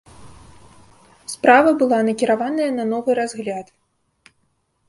Справа была накіраваная на новы разгляд.